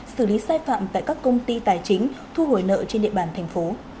xử lý sai phạm tại các công ty tài chính thu hồi nợ trên địa bàn tp